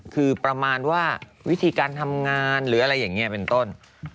คือประมาณว่าวิธีการทำงานหรืออะไรอย่างนี้เป็นต้น